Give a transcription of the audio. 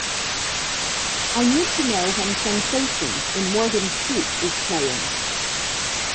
I need to know when Sensation in Morgan’s Creek is playing